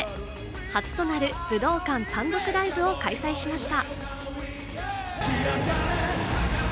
初となる武道館単独ライブを開催しました。